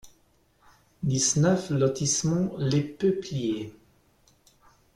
dix-neuf lotissement Les Peupliers